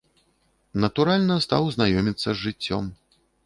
Натуральна, стаў знаёміцца з жыццём.